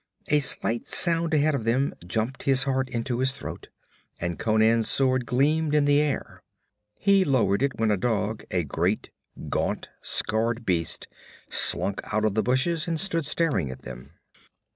A slight sound ahead of them jumped his heart into his throat, and Conan's sword gleamed in the air. He lowered it when a dog, a great, gaunt, scarred beast, slunk out of the bushes and stood staring at them.